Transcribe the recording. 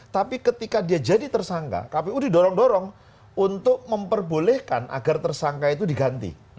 tapi ketika dia jadi tersangka kpu didorong dorong untuk memperbolehkan agar tersangka itu diganti